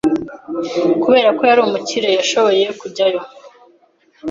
Kubera ko yari umukire, yashoboye kujyayo.